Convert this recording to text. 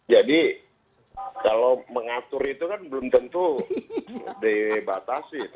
jadi kalau mengatur itu kan belum tentu dibatasi